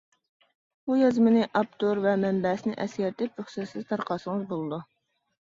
بۇ يازمىنى ئاپتور ۋە مەنبەسىنى ئەسكەرتىپ رۇخسەتسىز تارقاتسىڭىز بولىدۇ.